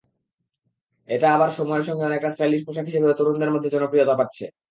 এটা আবার সময়ের সঙ্গে অনেকটা স্টাইলিশ পোশাক হিসেবেও তরুণদের মধ্যে জনপ্রিয়তা পাচ্ছে।